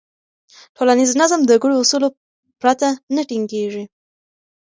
ټولنیز نظم د ګډو اصولو پرته نه ټینګېږي.